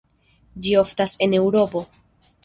Ĝi oftas en Eŭropo.